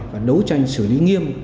và đấu tranh xử lý nghiêm